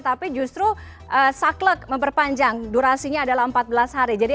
tapi justru saklek memperpanjang durasinya adalah empat belas hari